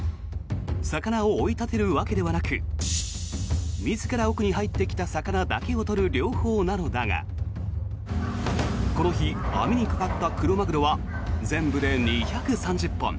魚を追い立てるわけではなく自ら奥に入ってきた魚だけを取る漁法なのだがこの日網にかかったクロマグロは全部で２３０本。